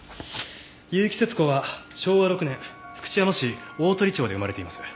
結城節子は昭和６年福知山市大鳥町で生まれています。